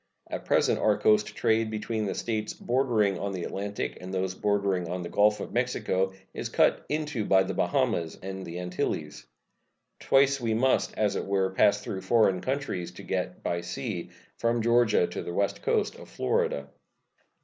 At present our coast trade between the States bordering on the Atlantic and those bordering on the Gulf of Mexico is cut into by the Bahamas and the Antilies. Twice we must, as it were, pass through foreign countries to get by sea from Georgia to the west coast of Florida.